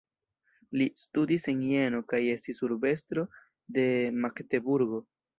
Li studis en Jeno kaj estis urbestro de Magdeburgo.